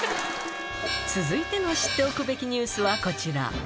続いての知っておくべきニュースはこちら！